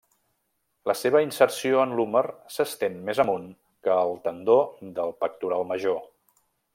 La seva inserció en l'húmer s'estén més amunt que el tendó del pectoral major.